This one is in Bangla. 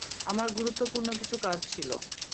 আমার গুরুত্বপূর্ণ কিছু কাজ ছিলো।